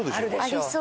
ありそう。